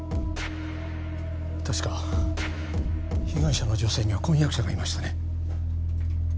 確か被害者の女性には婚約者がいましたね